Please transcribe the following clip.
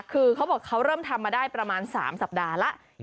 คือเขาบอกเขาเริ่มทำมาได้ประมาณ๓สัปดาห์แล้ว